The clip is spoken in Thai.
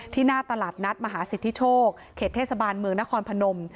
หน้าตลาดนัดมหาสิทธิโชคเขตเทศบาลเมืองนครพนม